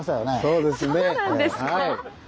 そうですね。